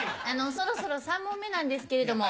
そろそろ３問目なんですけれども。